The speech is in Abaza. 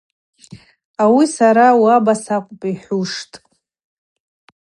Ауи – Сара уаба сакӏвпӏ, – йхӏвуштӏ.